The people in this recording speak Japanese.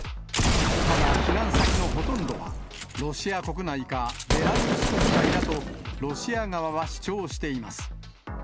ただ避難先のほとんどは、ロシア国内か、ベラルーシ国内だとロシア側は主張しています。